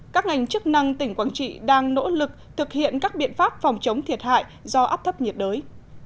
các ngành chức năng tỉnh quảng trị đang nỗ lực thực hiện các biện pháp phòng chống thiệt hại do áp thấp nhiệt đới